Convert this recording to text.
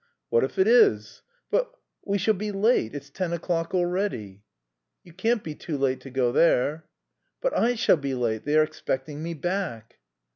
"What if it is?" "But... we shall be late. It's ten o'clock already." "You can't be too late to go there." "But I shall be late! They are expecting me back."